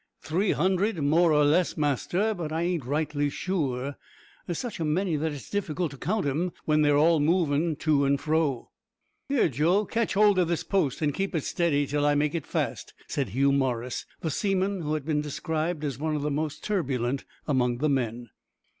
"Three hundred, more or less, master, but I ain't rightly sure; there's such a many that it's difficult to count 'em when they are all a movin' to and fro." "Here, Joe, catch hold o' this post, an' keep it steady till I make it fast," said Hugh Morris, the seaman who has been described as one of the most turbulent among the men.